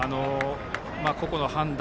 個々の判断